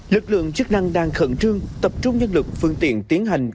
lực lượng chức năng đang khẩn trương tập trung nhân lực phương tiện tiến hành